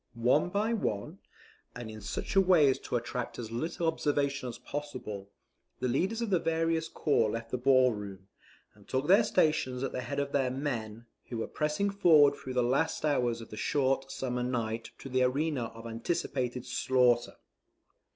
One by one, and in such a way as to attract as little observation as possible, the leaders of the various corps left the ball room, and took their stations at the head of their men, who were pressing forward through the last hours of the short summer night to the arena of anticipated slaughter.